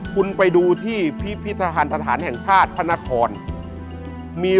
คุดไปดูที่พิธาฐานประธานแห่งชาติพันธนธร